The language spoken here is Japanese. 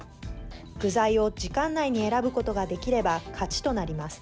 具材を時間内に選ぶことができれば勝ちとなります。